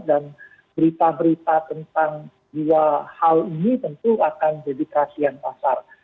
dan berita berita tentang dua hal ini tentu akan jadi perhatian pasar